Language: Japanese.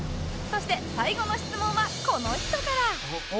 そして最後の質問はこの人から！